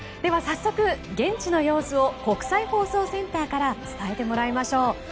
早速、現地の様子を国際放送センターから伝えてもらいましょう。